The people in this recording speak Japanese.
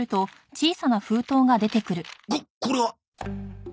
ここれは。